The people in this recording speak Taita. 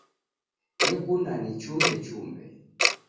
Nekunda nichumbe chumbe